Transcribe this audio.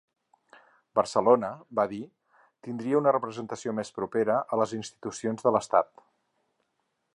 Barcelona –va dir– tindria una representació més propera a les institucions de l’estat.